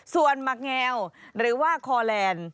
ส่วนหมักแงวหรือว่าคอแลนด์